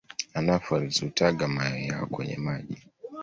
Anopheles hutaga mayai yao kwenye maji